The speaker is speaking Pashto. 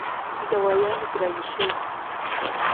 دوايانې ګرانې شوې